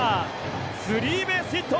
スリーベースヒット！